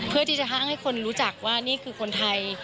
เพื่อที่จะห้างให้คนรู้จักว่านี่คือคนไทย